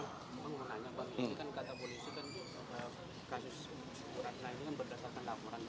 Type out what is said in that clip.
memang mengenai ini kan kata polisi kan kasus bu ratna ini kan berdasarkan laporan